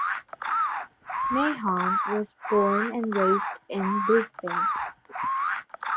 Mahon was born and raised in Brisbane.